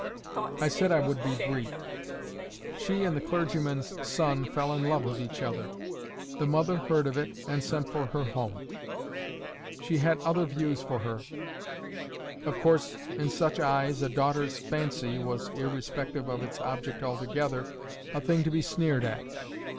I said I would be brief. She and the clergyman's son fell in love with each other. The mother heard of it, and sent for her home. She had other views for her. Of course, in such eyes, a daughter's FANCY was, irrespective of its object altogether, a thing to be sneered at.